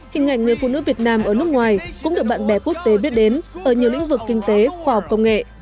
hình ảnh người phụ nữ việt nam ở nước ngoài cũng được bạn bè quốc tế biết đến ở nhiều lĩnh vực kinh tế khoa học công nghệ